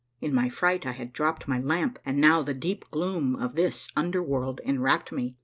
In my fright I had dropped my lamp, and now the deep gloom of this under world inwrapped me.